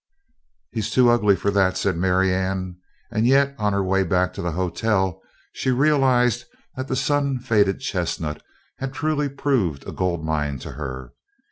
"He's too ugly for that," said Marianne, and yet on her way back to the hotel she realized that the sun faded chestnut had truly proved a gold mine to her.